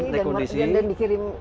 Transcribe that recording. rekondisi dan dikirim